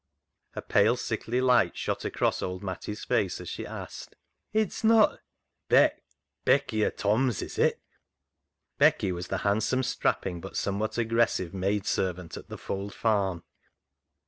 A pale, sickly light shot across old Matty's face as she asked —" It's not Beck — Becky o' Tom's, is it ?" Becky was the handsome, strapping, but some what aggressive, maidservant at the Fold farm.